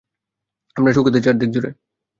আপনার সুখ্যাতি চারদিক জুড়ে।